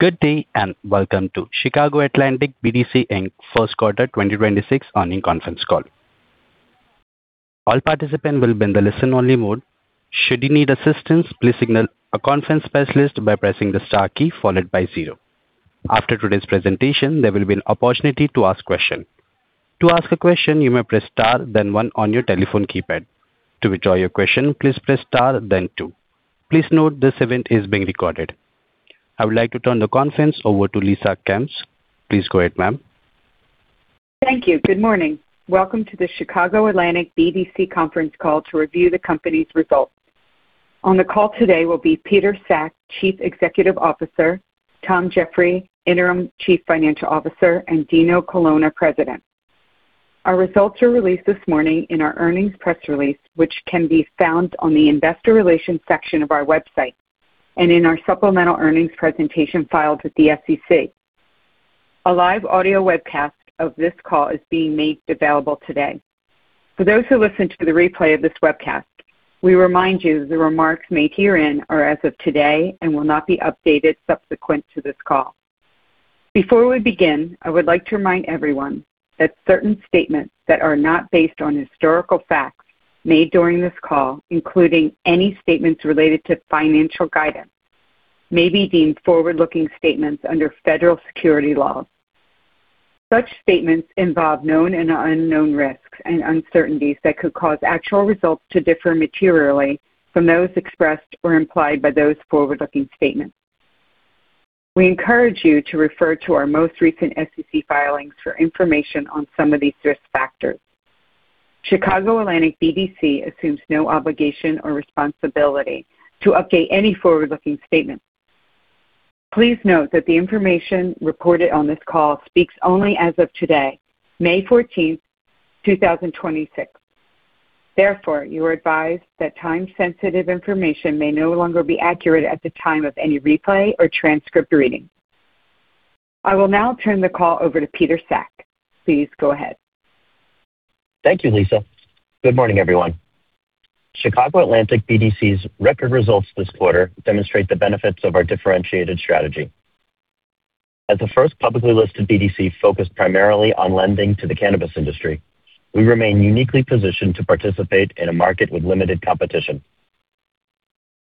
Good day. Welcome to Chicago Atlantic BDC Inc First Quarter 2026 Earnings Conference Call. All participants will be in the listen only mode. Should you need assistance, please signal a conference specialist by pressing the star key followed by zero. After today's presentation, there will be an opportunity to ask questions. To ask a question, you may press star then one on your telephone keypad. To withdraw your question, please press star then two. Please note this event is being recorded. I would like to turn the conference over to Lisa Kampf. Please go ahead, ma'am. Thank you. Good morning. Welcome to the Chicago Atlantic BDC conference call to review the company's results. On the call today will be Peter Sack, Chief Executive Officer, Tom Geoffroy, Interim Chief Financial Officer, and Dino Colonna, President. Our results are released this morning in our earnings press release, which can be found on the investor relations section of our website and in our supplemental earnings presentation filed with the SEC. A live audio webcast of this call is being made available today. For those who listen to the replay of this webcast, we remind you the remarks made herein are as of today and will not be updated subsequent to this call. Before we begin, I would like to remind everyone that certain statements that are not based on historical facts made during this call, including any statements related to financial guidance, may be deemed forward-looking statements under federal security laws. Such statements involve known and unknown risks and uncertainties that could cause actual results to differ materially from those expressed or implied by those forward-looking statements. We encourage you to refer to our most recent SEC filings for information on some of these risk factors. Chicago Atlantic BDC assumes no obligation or responsibility to update any forward-looking statements. Please note that the information reported on this call speaks only as of today, May 14, 2026. Therefore, you are advised that time-sensitive information may no longer be accurate at the time of any replay or transcript reading. I will now turn the call over to Peter Sack. Please go ahead. Thank you, Lisa. Good morning, everyone. Chicago Atlantic BDC's record results this quarter demonstrate the benefits of our differentiated strategy. As the first publicly listed BDC focused primarily on lending to the cannabis industry, we remain uniquely positioned to participate in a market with limited competition.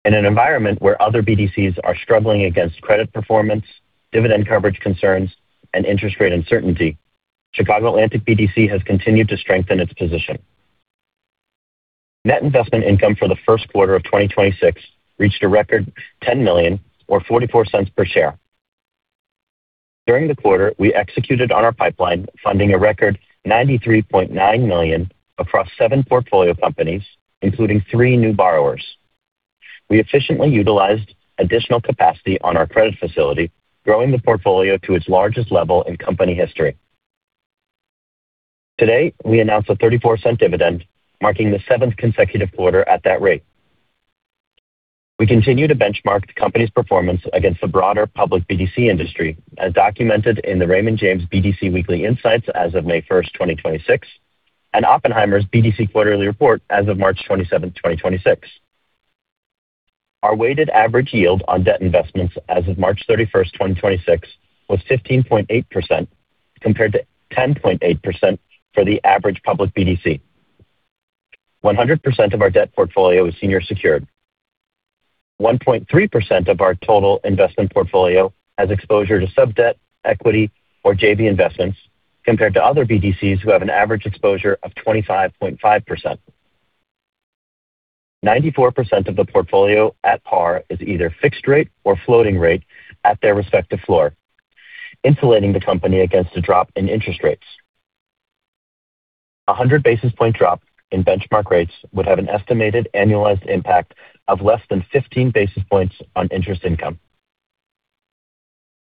In an environment where other BDCs are struggling against credit performance, dividend coverage concerns, and interest rate uncertainty, Chicago Atlantic BDC has continued to strengthen its position. Net investment income for the first quarter of 2026 reached a record $10 million or $0.44 per share. During the quarter, we executed on our pipeline, funding a record $93.9 million across seven portfolio companies, including three new borrowers. We efficiently utilized additional capacity on our credit facility, growing the portfolio to its largest level in company history. Today, we announced a $0.34 dividend, marking the seventh consecutive quarter at that rate. We continue to benchmark the company's performance against the broader public BDC industry, as documented in the Raymond James BDC Weekly Insight as of May 1, 2026, and Oppenheimer's BDC Quarterly Report as of March 27, 2026. Our weighted average yield on debt investments as of March 31, 2026, was 15.8% compared to 10.8% for the average public BDC. 100% of our debt portfolio is senior secured. 1.3% of our total investment portfolio has exposure to sub-debt, equity, or JV investments compared to other BDCs who have an average exposure of 25.5%. 94% of the portfolio at par is either fixed rate or floating rate at their respective floor, insulating the company against a drop in interest rates. A 100 basis point drop in benchmark rates would have an estimated annualized impact of less than 15 basis points on interest income.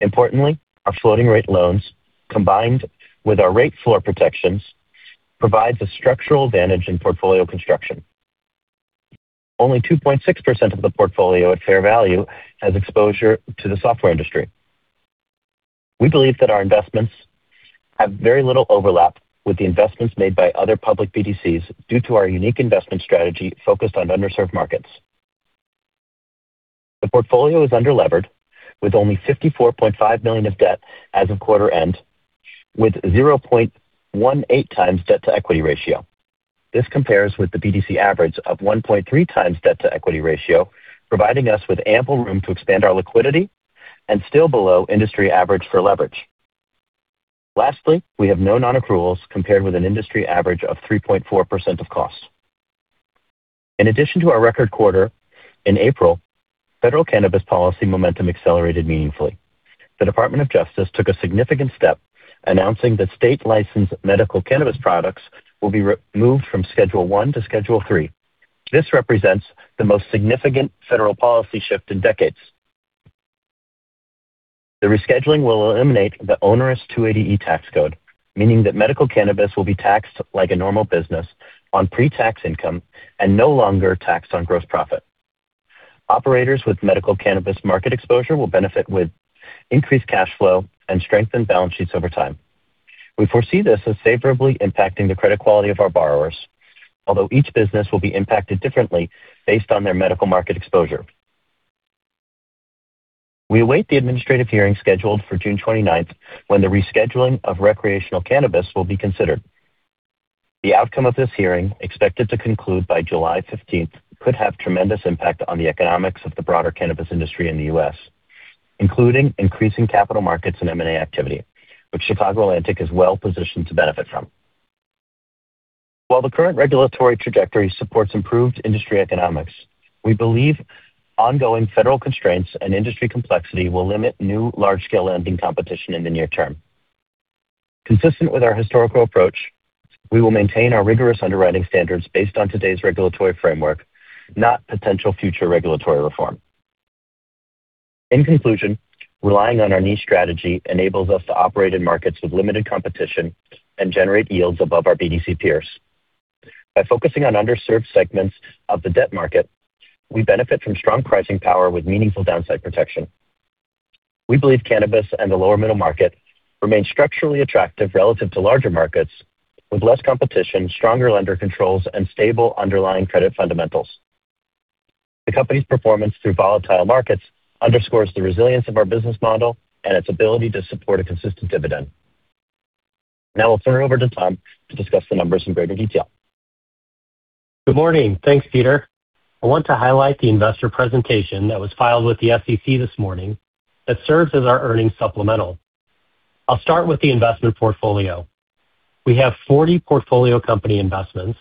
Importantly, our floating rate loans, combined with our rate floor protections, provides a structural advantage in portfolio construction. Only 2.6% of the portfolio at fair value has exposure to the software industry. We believe that our investments have very little overlap with the investments made by other public BDCs due to our unique investment strategy focused on underserved markets. The portfolio is underlevered with only $54.5 million of debt as of quarter end with 0.18x debt-to-equity ratio. This compares with the BDC average of 1.3x debt-to-equity ratio, providing us with ample room to expand our liquidity and still below industry average for leverage. Lastly, we have no non-accruals compared with an industry average of 3.4% of costs. In addition to our record quarter, in April, federal cannabis policy momentum accelerated meaningfully. The Department of Justice took a significant step announcing that state licensed medical cannabis products will be removed from Schedule I to Schedule III. This represents the most significant federal policy shift in decades. The rescheduling will eliminate the onerous 280E tax code, meaning that medical cannabis will be taxed like a normal business on pre-tax income and no longer taxed on gross profit. Operators with medical cannabis market exposure will benefit with increased cash flow and strengthened balance sheets over time. We foresee this as favorably impacting the credit quality of our borrowers, although each business will be impacted differently based on their medical market exposure. We await the administrative hearing scheduled for June 29th when the rescheduling of recreational cannabis will be considered. The outcome of this hearing, expected to conclude by July 15th, could have tremendous impact on the economics of the broader cannabis industry in the U.S., including increasing capital markets and M&A activity, which Chicago Atlantic is well-positioned to benefit from. While the current regulatory trajectory supports improved industry economics, we believe ongoing federal constraints and industry complexity will limit new large-scale lending competition in the near term. Consistent with our historical approach, we will maintain our rigorous underwriting standards based on today's regulatory framework, not potential future regulatory reform. In conclusion, relying on our niche strategy enables us to operate in markets with limited competition and generate yields above our BDC peers. By focusing on underserved segments of the debt market, we benefit from strong pricing power with meaningful downside protection. We believe cannabis and the lower middle market remain structurally attractive relative to larger markets with less competition, stronger lender controls, and stable underlying credit fundamentals. The company's performance through volatile markets underscores the resilience of our business model and its ability to support a consistent dividend. Now I'll turn it over to Tom to discuss the numbers in greater detail. Good morning. Thanks, Peter. I want to highlight the investor presentation that was filed with the SEC this morning that serves as our earnings supplemental. I'll start with the investment portfolio. We have 40 portfolio company investments.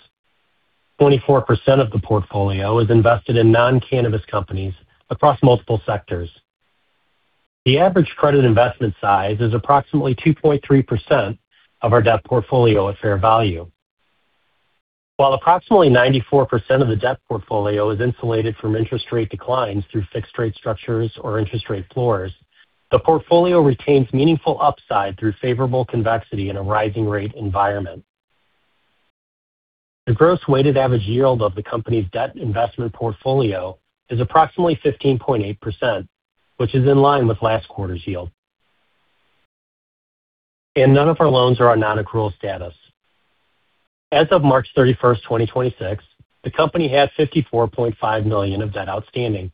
24% of the portfolio is invested in non-cannabis companies across multiple sectors. The average credit investment size is approximately 2.3% of our debt portfolio at fair value. While approximately 94% of the debt portfolio is insulated from interest rate declines through fixed rate structures or interest rate floors, the portfolio retains meaningful upside through favorable convexity in a rising rate environment. The gross weighted average yield of the company's debt investment portfolio is approximately 15.8%, which is in line with last quarter's yield. None of our loans are on non-accrual status. As of March 31, 2026, the company had $54.5 million of debt outstanding,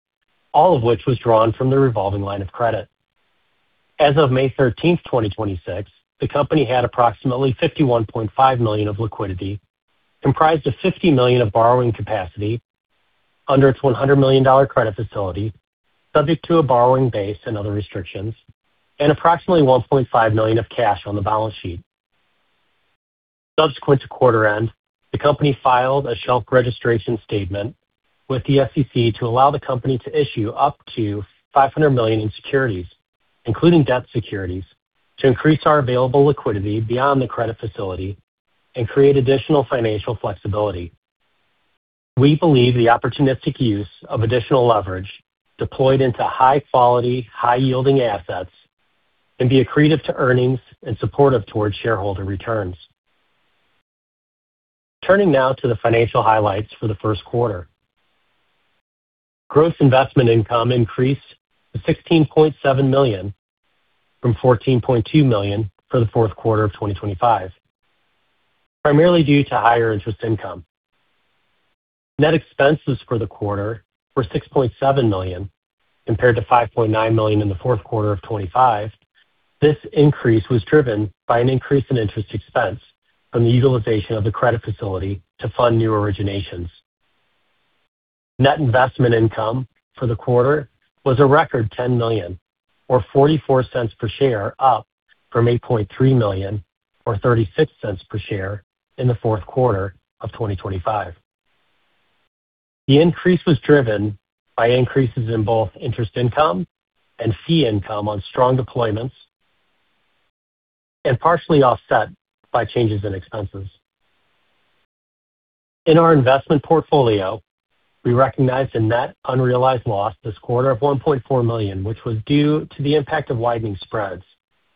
all of which was drawn from the revolving line of credit. As of May 13, 2026, the company had approximately $51.5 million of liquidity, comprised of $50 million of borrowing capacity under its $100 million credit facility, subject to a borrowing base and other restrictions, and approximately $1.5 million of cash on the balance sheet. Subsequent to quarter end, the company filed a shelf registration statement with the SEC to allow the company to issue up to $500 million in securities, including debt securities, to increase our available liquidity beyond the credit facility and create additional financial flexibility. We believe the opportunistic use of additional leverage deployed into high quality, high yielding assets can be accretive to earnings and supportive towards shareholder returns. Turning now to the financial highlights for the first quarter. Gross investment income increased to $16.7 million from $14.2 million for the fourth quarter of 2025, primarily due to higher interest income. Net expenses for the quarter were $6.7 million, compared to $5.9 million in the fourth quarter of 2025. This increase was driven by an increase in interest expense from the utilization of the credit facility to fund new originations. Net investment income for the quarter was a record $10 million or $0.44 per share, up from $8.3 million or $0.36 per share in the fourth quarter of 2025. The increase was driven by increases in both interest income and fee income on strong deployments and partially offset by changes in expenses. In our investment portfolio, we recognized a net unrealized loss this quarter of $1.4 million, which was due to the impact of widening spreads,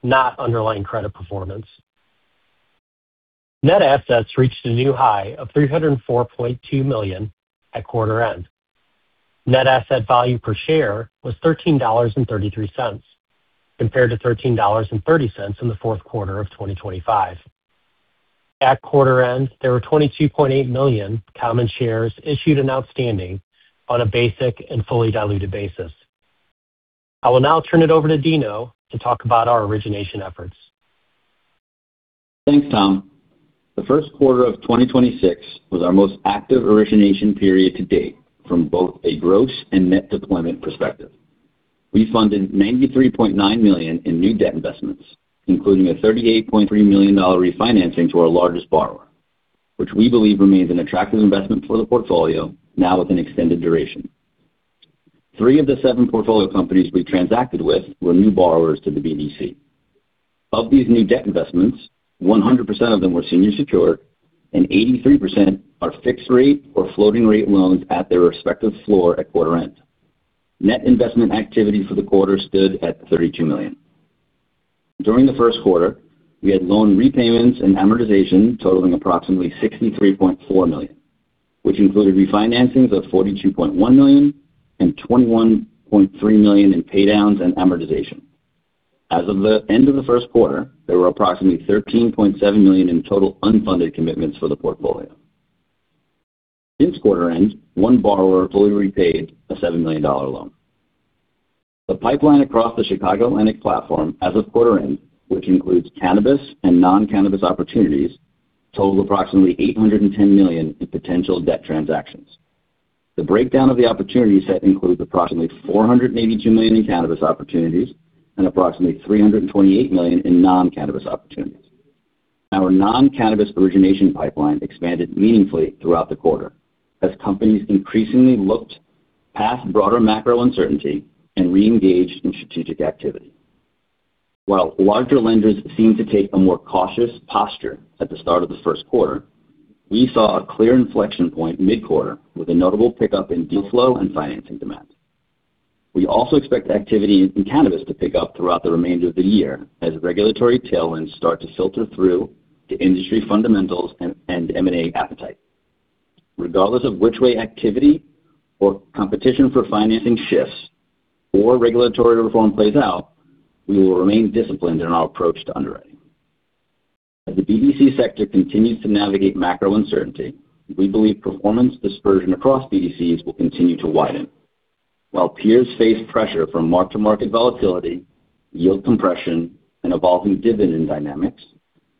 not underlying credit performance. Net assets reached a new high of $304.2 million at quarter end. Net Asset Value per share was $13.33, compared to $13.30 in the fourth quarter of 2025. At quarter end, there were 22.8 million common shares issued and outstanding on a basic and fully diluted basis. I will now turn it over to Dino to talk about our origination efforts. Thanks, Tom. The first quarter of 2026 was our most active origination period to date from both a gross and net deployment perspective. We funded $93.9 million in new debt investments, including a $38.3 million refinancing to our largest borrower, which we believe remains an attractive investment for the portfolio now with an extended duration. Three of the seven portfolio companies we transacted with were new borrowers to the BDC. Of these new debt investments, 100% of them were senior secured and 83% are fixed rate or floating rate loans at their respective floor at quarter end. Net investment activity for the quarter stood at $32 million. During the first quarter, we had loan repayments and amortization totaling approximately $63.4 million, which included refinancings of $42.1 million and $21.3 million in paydowns and amortization. As of the end of the first quarter, there were approximately $13.7 million in total unfunded commitments for the portfolio. Since quarter end, one borrower fully repaid a $7 million loan. The pipeline across the Chicago Atlantic platform as of quarter end, which includes cannabis and non-cannabis opportunities, total approximately $810 million in potential debt transactions. The breakdown of the opportunity set includes approximately $402 million in cannabis opportunities and approximately $328 million in non-cannabis opportunities. Our non-cannabis origination pipeline expanded meaningfully throughout the quarter as companies increasingly looked past broader macro uncertainty and reengaged in strategic activity. While larger lenders seemed to take a more cautious posture at the start of the first quarter, we saw a clear inflection point mid-quarter with a notable pickup in deal flow and financing demand. We also expect activity in cannabis to pick up throughout the remainder of the year as regulatory tailwinds start to filter through to industry fundamentals and M&A appetite. Regardless of which way activity or competition for financing shifts or regulatory reform plays out, we will remain disciplined in our approach to underwriting. As the BDC sector continues to navigate macro uncertainty, we believe performance dispersion across BDCs will continue to widen. While peers face pressure from mark-to-market volatility, yield compression and evolving dividend dynamics,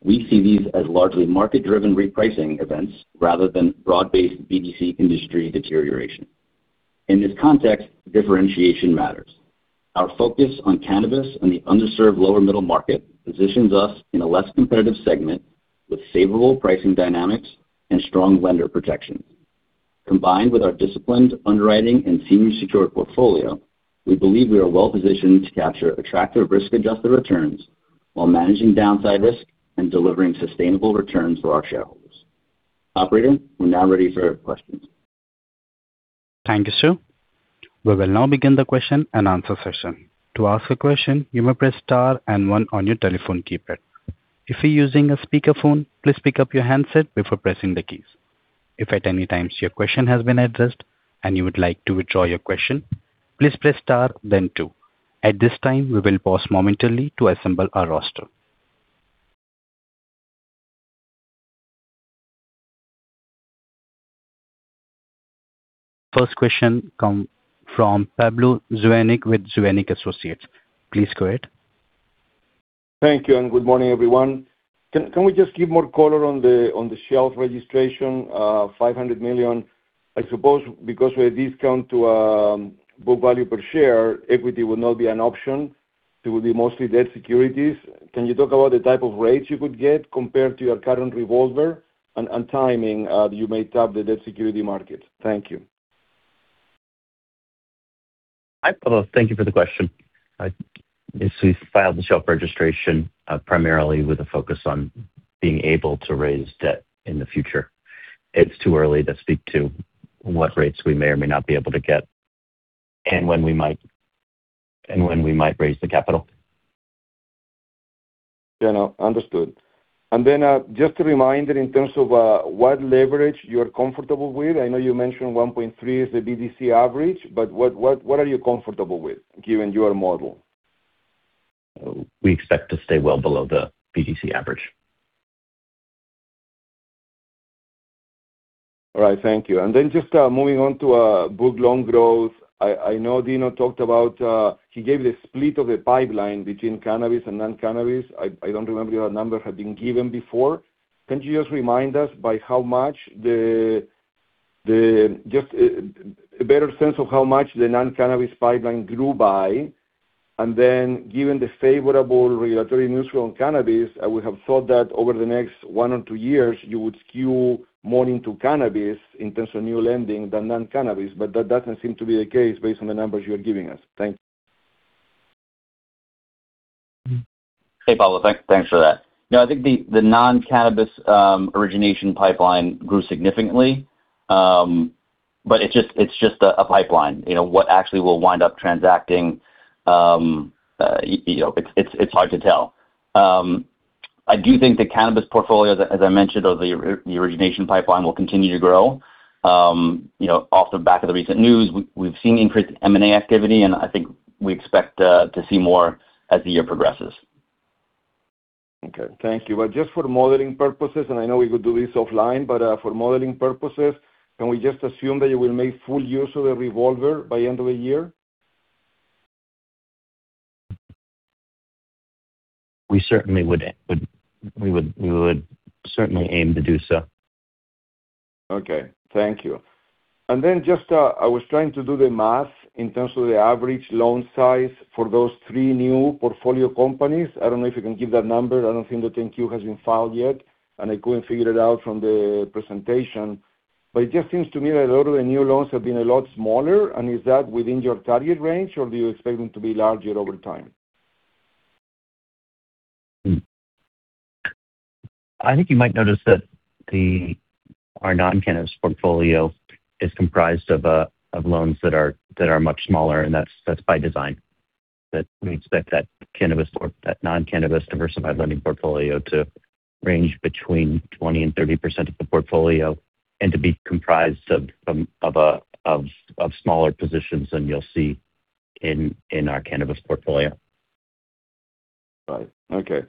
we see these as largely market-driven repricing events rather than broad-based BDC industry deterioration. In this context, differentiation matters. Our focus on cannabis and the underserved lower middle market positions us in a less competitive segment with favorable pricing dynamics and strong lender protection. Combined with our disciplined underwriting and senior secured portfolio, we believe we are well-positioned to capture attractive risk-adjusted returns while managing downside risk and delivering sustainable returns to our shareholders. Operator, we are now ready for questions. Thank you, sir. We will now begin the question and answer session. To ask a question, you may press star and one on your telephone keypad. If you're using a speakerphone, please pick up your handset before pressing the keys. If at any time your question has been addressed and you would like to withdraw your question, please press star then two. At this time, we will pause momentarily to assemble our roster. First question come from Pablo Zuanic with Zuanic & Associates. Please go ahead. Thank you. Good morning, everyone. Can we just give more color on the shelf registration, $500 million? I suppose because we're a discount to book value per share, equity would not be an option. It will be mostly debt securities. Can you talk about the type of rates you could get compared to your current revolver and timing you may tap the debt security market? Thank you. Hi, Pablo. Thank you for the question. Yes, we filed the shelf registration, primarily with a focus on being able to raise debt in the future. It's too early to speak to what rates we may or may not be able to get and when we might raise the capital. Yeah, no, understood. Then, just a reminder in terms of what leverage you are comfortable with. I know you mentioned 1.3x is the BDC average, but what are you comfortable with given your model? We expect to stay well below the BDC average. All right, thank you. Just moving on to book loan growth. I know Dino talked about, he gave the split of the pipeline between cannabis and non-cannabis. I don't remember your number had been given before. Can you just remind us by how much the non-cannabis pipeline grew by? Given the favorable regulatory news from cannabis, I would have thought that over the next one or two years, you would skew more into cannabis in terms of new lending than non-cannabis, but that doesn't seem to be the case based on the numbers you are giving us. Thank you. Hey, Pablo. Thanks for that. I think the non-cannabis origination pipeline grew significantly. It's just a pipeline. You know, what actually will wind up transacting, you know, it's hard to tell. I do think the cannabis portfolio, as I mentioned, of the origination pipeline will continue to grow. You know, off the back of the recent news, we've seen increased M&A activity. I think we expect to see more as the year progresses. Okay. Thank you. Just for modeling purposes, I know we could do this offline, for modeling purposes, can we just assume that you will make full use of the revolver by end of the year? We would certainly aim to do so. Okay. Thank you. Just, I was trying to do the math in terms of the average loan size for those three new portfolio companies. I don't know if you can give that number. I don't think the 10-Q has been filed yet, and I couldn't figure it out from the presentation. It just seems to me that a lot of the new loans have been a lot smaller. Is that within your target range or do you expect them to be larger over time? I think you might notice that the, our non-cannabis portfolio is comprised of loans that are much smaller, and that's by design. That we expect that cannabis or that non-cannabis diversified lending portfolio to range between 20% and 30% of the portfolio and to be comprised of smaller positions than you'll see in our cannabis portfolio. Right. Okay.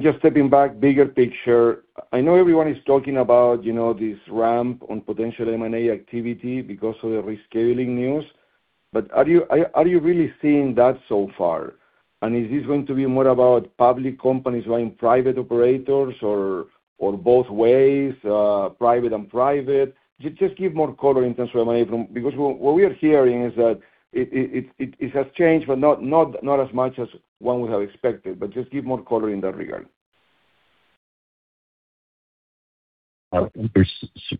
Just stepping back, bigger picture. I know everyone is talking about, you know, this ramp on potential M&A activity because of the rescheduling news. Are you really seeing that so far? Is this going to be more about public companies buying private operators or both ways, private and private? Just give more color in terms of M&A, because what we are hearing is that it has changed, but not as much as one would have expected. Just give more color in that regard.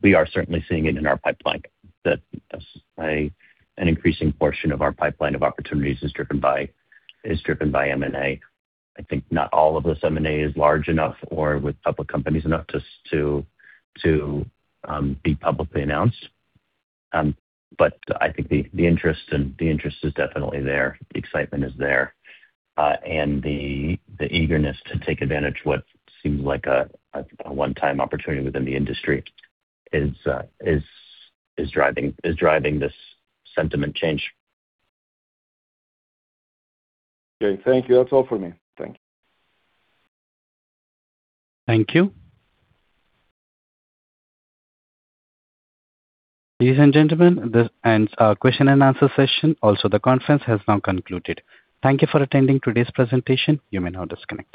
We are certainly seeing it in our pipeline, that as an increasing portion of our pipeline of opportunities is driven by M&A. I think not all of this M&A is large enough or with public companies enough to be publicly announced. I think the interest is definitely there. The excitement is there. The eagerness to take advantage of what seems like a one-time opportunity within the industry is driving this sentiment change. Okay. Thank you. That's all for me. Thank you. Thank you. Ladies and gentlemen, this ends our question and answer session. The conference has now concluded. Thank you for attending today's presentation. You may now disconnect.